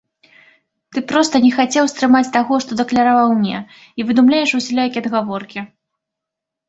Ты проста не хацеў стрымаць таго, што дакляраваў мне, і выдумляеш усялякія адгаворкі.